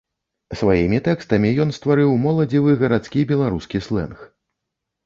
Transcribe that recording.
Сваімі тэкстамі ён стварыў моладзевы гарадскі беларускі слэнг.